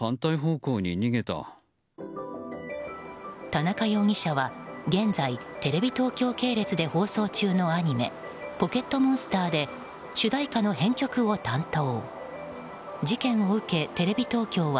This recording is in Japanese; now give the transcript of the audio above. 田中容疑者は現在テレビ東京系列で放送中のアニメ「ポケットモンスター」で主題歌の編曲を担当。